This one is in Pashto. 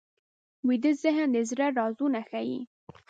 ویده ذهن د زړه رازونه ښيي